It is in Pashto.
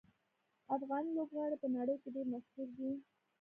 افغاني لوبغاړي په نړۍ کې ډېر مشهور دي.